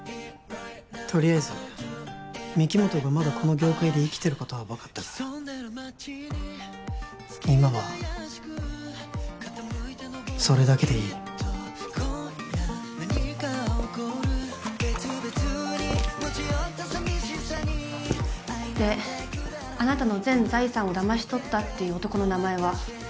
とりあえず御木本がまだこの業界で生きてることは分かったから今はそれだけでいいであなたの全財産をだまし取ったっていう男の名前は？